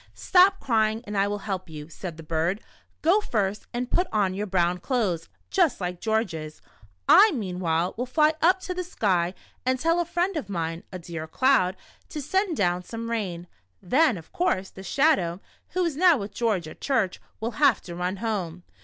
"Stop crying, and I will help you," said the bird. "Go first and put on your brown clothes, just like George's. I, meanwhile, will fly up to the sky and tell a friend of mine, a dear cloud, to send down some rain. Then, of course, the Shadow, who is now with George at church, will have to run home.